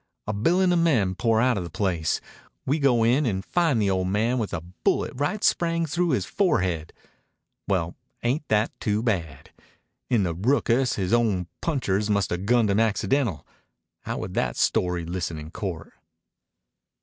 A b'ilin' of men pour outa the place. We go in and find the old man with a bullet right spang through his forehead. Well, ain't that too bad! In the rookus his own punchers must 'a' gunned him accidental. How would that story listen in court?"